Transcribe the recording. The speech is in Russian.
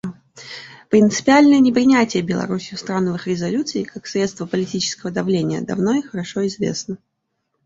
Принципиальное неприятие Беларусью страновых резолюций как средства политического давления давно и хорошо известно.